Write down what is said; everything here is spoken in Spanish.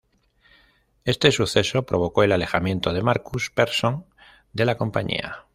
Este suceso provocó el alejamiento de Markus Persson de la compañía.